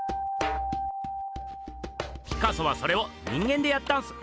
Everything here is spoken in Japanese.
ピカソはそれを人間でやったんす。